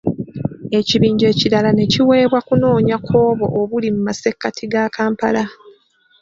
Ekibinja ekirala ne kiweebwa kunoonya ku obwo obuli mu masekkati ga Kampala.